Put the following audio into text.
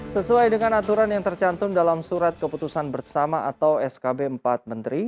sesuai dengan aturan yang tercantum dalam surat keputusan bersama atau skb empat menteri